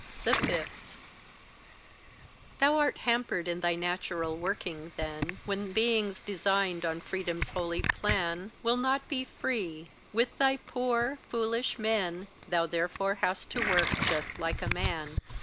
5. Thou art hampered in thy natural working then When beings designed on freedom's holy plan Will not be free: with thy poor, foolish men, Thou therefore hast to work just like a man.